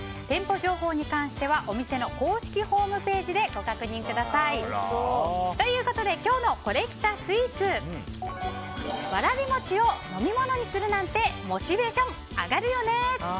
店舗情報に関しては公式ホームページでご確認ください。ということで今日のコレきたスイーツわらびもちを飲み物にするなんてモチベーション上がるよね！